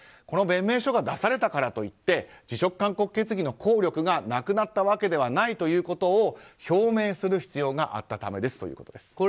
この弁明書が出されたからといって辞職勧告決議の効力がなくなったわけではないということを表明する必要があったためですということです。